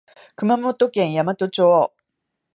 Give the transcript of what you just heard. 熊本県山都町